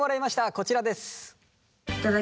こちらです。